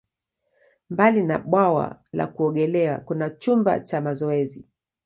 Mbali na bwawa la kuogelea, kuna chumba cha mazoezi.